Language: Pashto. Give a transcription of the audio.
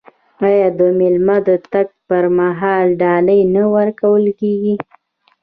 آیا د میلمه د تګ پر مهال ډالۍ نه ورکول کیږي؟